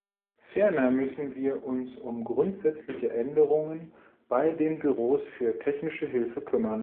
Ferner müssen wir uns um grundsätzliche Änderungen bei den Büros für Technische Hilfe kümmern.